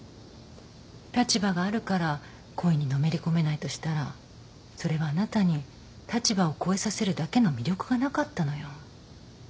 立場があるから恋にのめりこめないとしたらそれはあなたに立場を超えさせるだけの魅力がなかったのよ。